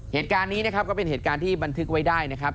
เหตุการณ์นี้นะครับก็เป็นเหตุการณ์ที่บันทึกไว้ได้นะครับ